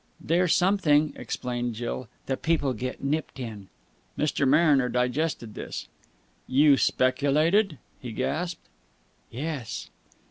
"They're something," explained Jill, "that people get nipped in." Mr. Mariner digested this. "You speculated?" he gasped. "Yes."